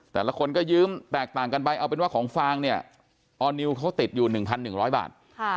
แต่ละคนก็ยืมแตกต่างกันไปเอาเป็นว่าของฟางเนี่ยออร์นิวเขาติดอยู่๑๑๐๐บาท